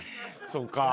そうか。